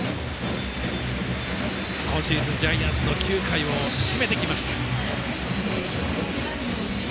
今シーズン、ジャイアンツの９回を締めてきました。